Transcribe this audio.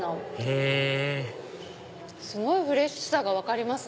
へぇすごいフレッシュさが分かります